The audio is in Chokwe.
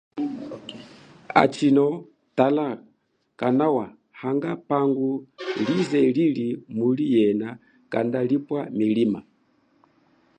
Hachino tala kanawa hanga pangu lize lili muli yena kanda lipwa milima.